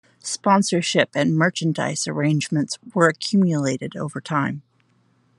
Sponsorship and merchandise arrangements were accumulated over time.